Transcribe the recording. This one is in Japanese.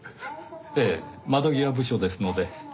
ええ窓際部署ですので。